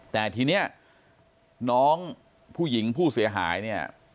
แต่ทีนี้น้องผู้หญิงผู้เสียหายเนี่ย